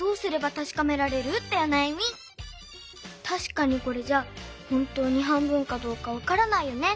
たしかにこれじゃほんとに半分かどうかわからないよね。